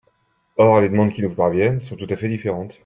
Or les demandes qui nous parviennent sont tout à fait différentes.